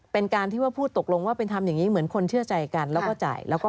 เป็นการที่ว่าพูดตกลงว่าเป็นทำอย่างนี้เหมือนคนเชื่อใจกันแล้วก็จ่ายแล้วก็